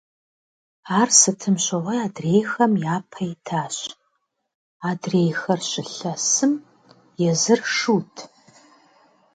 Ар сыт щыгъуи адрейхэм япэ итащ, адрейхэр «щылъэсым», езыр «шут».